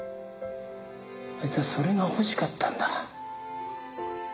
あいつはそれが欲しかったんだ。